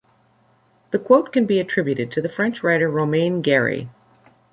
The quote can be attributed to the French writer Romain Gary.